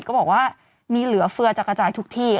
ก็บอกว่ามีเหลือเฟือจะกระจายทุกที่